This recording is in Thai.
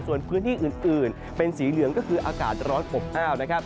ส่วนพื้นที่อื่นเป็นสีเหลืองก็คืออากาศร้อนอบอ้าวนะครับ